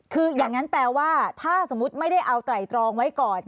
คืออย่างนั้นแปลว่าถ้าสมมุติไม่ได้เอาไตรตรองไว้ก่อน